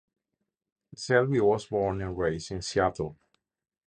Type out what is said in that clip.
Selby was born and raised in Seattle.